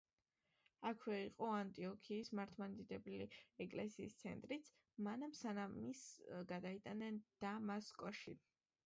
აქვე იყო ანტიოქიის მართლმადიდებელი ეკლესიის ცენტრიც, მანამ სანამ მას გადაიტანდნენ დამასკოში.